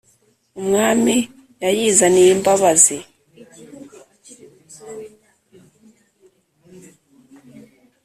umwami yayizaniye imbabazi